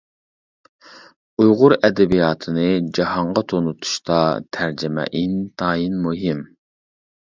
ئۇيغۇر ئەدەبىياتىنى جاھانغا تونۇتۇشتا تەرجىمە ئىنتايىن مۇھىم.